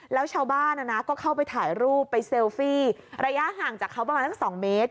แล้วชาวบ้านก็เข้าไปถ่ายรูปไปเซลฟี่ระยะห่างจากเขาประมาณสัก๒เมตร